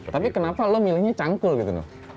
tapi kenapa lo milihnya cangkul gitu loh